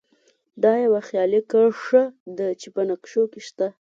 دا یوه خیالي کرښه ده چې په نقشو کې شته